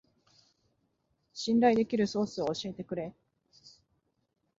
信頼できるソースを教えてくれ